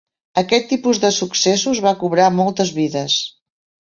Aquest tipus de successos va cobrar moltes vides.